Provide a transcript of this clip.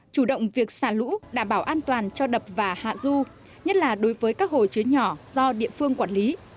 chủ động việc xả lũ đảm bảo an toàn cho đập và hạ du nhất là đối với các hồ chứa nhỏ do địa phương quản lý